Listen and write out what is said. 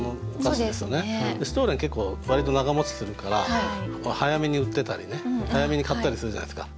シュトレン結構わりと長もちするから早めに売ってたりね早めに買ったりするじゃないですか。